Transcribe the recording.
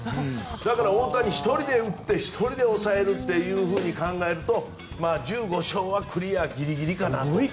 だから、大谷１人で打って１人で抑えると考えると１５勝はクリアギリギリかなと。